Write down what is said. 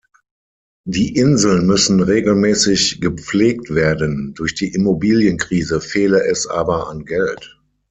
Die Inseln müssen regelmäßig „gepflegt“ werden, durch die Immobilienkrise fehle es aber an Geld.